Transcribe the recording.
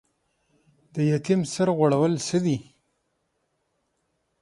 د یتیم سر غوړول څه دي؟